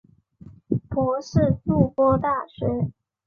博士筑波大学。